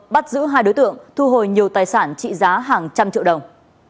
bắt giữ hai đối tượng thu hồi nhiều tài sản trị giá hàng trăm triệu đồng